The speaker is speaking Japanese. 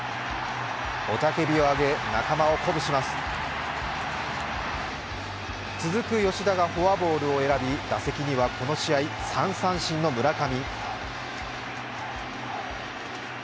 雄たけびを上げ、仲間を鼓舞します続く吉田がフォアボールを選び、打席にはこの試合、３三振の村上。